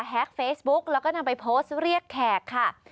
เฟซบุ๊กแล้วก็นำไปโพสต์เรียกแขกค่ะ